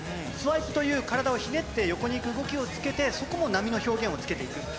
スワイプという、体を横にひねって動きをつけて、そこも波の表現をつけていく。